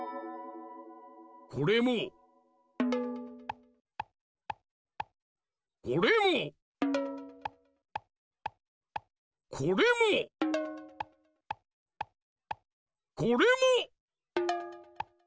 これもこれもこれもこれも！